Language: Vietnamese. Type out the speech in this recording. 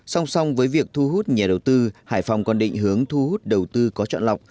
song song với việc thu hút nhà đầu tư hải phòng còn định hướng thu hút đầu tư có chọn lọc